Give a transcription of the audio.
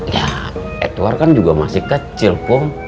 ya edward kan juga masih kecil kok